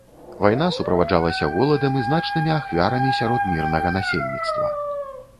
Вайна суправаджалася голадам і значнымі ахвярамі сярод мірнага насельніцтва.